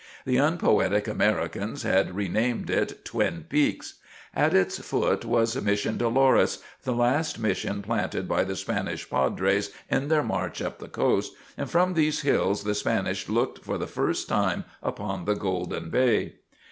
The unpoetic Americans had renamed it Twin Peaks. At its foot was Mission Dolores, the last mission planted by the Spanish padres in their march up the coast, and from these hills the Spanish looked for the first time upon the golden bay.